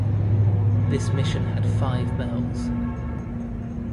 This mission had five bells.